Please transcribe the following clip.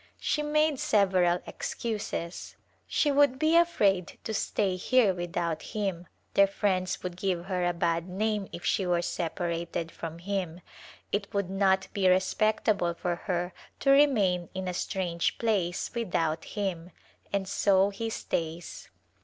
She made several excuses j she would [ 107] A Glimpse of India be afraid to stay here without him j their friends would give her a bad name if she were separated from him ; it would not be respectable for her to remain in a strange place without him; and so he stays.